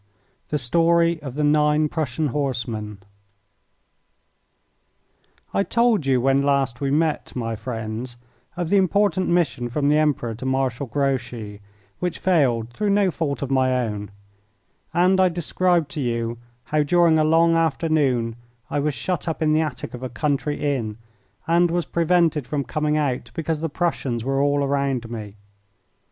THE STORY OF THE NINE PRUSSIAN HORSEMEN I told you when last we met, my friends, of the important mission from the Emperor to Marshal Grouchy, which failed through no fault of my own, and I described to you how during a long afternoon I was shut up in the attic of a country inn, and was prevented from coming out because the Prussians were all around me.